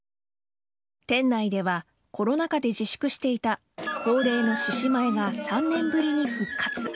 店内ではコロナ禍で自粛していた恒例の獅子舞が３年ぶりに復活。